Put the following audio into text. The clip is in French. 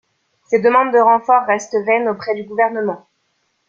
Ses demandes de renforts restent vaines auprès du gouvernement.